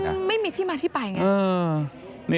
มันไม่มีที่มาที่ไปอย่างนี้